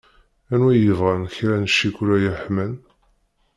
Anwa i yebɣan kra n cikula yeḥman.